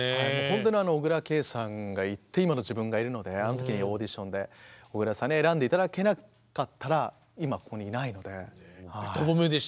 本当に小椋佳さんがいて今の自分がいるのであの時にオーディションで小椋さんに選んで頂けなかったら今ここにいないので。